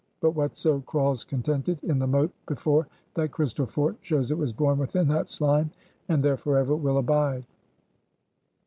But whatso crawls contented in the moat before that crystal fort, shows it was born within that slime, and there forever will abide.